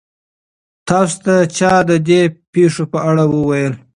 تاسو ته چا د دې پېښو په اړه وویل؟